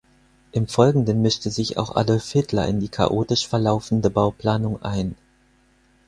Im Folgenden mischte sich auch Adolf Hitler in die chaotisch verlaufende Bauplanung ein.